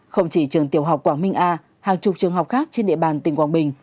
không chỉ trường tiểu học quảng minh a hàng chục trường học khác trên địa bàn tỉnh quảng bình